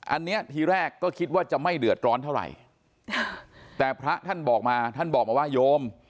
อันนี้ทีแรกก็คิดว่าจะไม่เดือดร้อนเท่าไหร่แต่พระท่านบอกมาท่านบอกมาว่าโยม